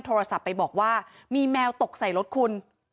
โทรศัพท์ไปบอกว่ามีแมวตกใส่รถคุณ